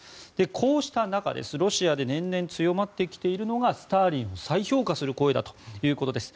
こうした中、ロシアで年々強まっているのがスターリンを再評価する声だということです。